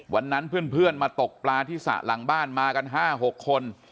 วันนั้นเพื่อนมาตกปลาที่สระหลังบ้านมากัน๕๖คน